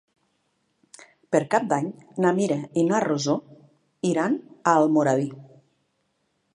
Per Cap d'Any na Mira i na Rosó iran a Almoradí.